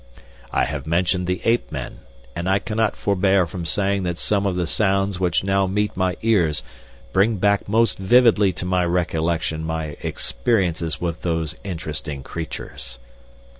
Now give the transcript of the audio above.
'I have mentioned the ape men, and I cannot forbear from saying that some of the sounds which now meet my ears bring back most vividly to my recollection my experiences with those interesting creatures.'